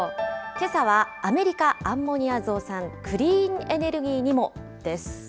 けさは、アメリカアンモニア増産クリーンエネルギーにも！です。